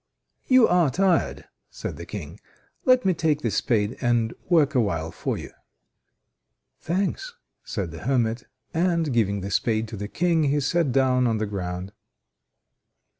"You are tired," said the King, "let me take the spade and work awhile for you." "Thanks!" said the hermit, and, giving the spade to the King, he sat down on the ground.